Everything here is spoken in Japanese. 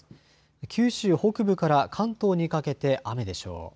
九州北部から関東にかけて雨でしょう。